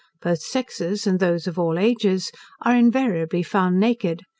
Both sexes, and those of all ages, are invariably found naked.